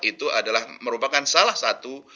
itu adalah merupakan salah satu